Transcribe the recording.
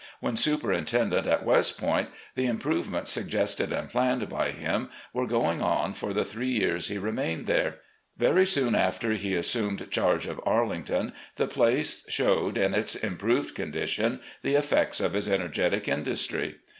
When superintendent at West Point, the improvements sug gested and planned by him were going on for the three years he remained there. Very soon after he assumed charge of Arlington, the place showed, in its improved condition, the effects of his energetic industry.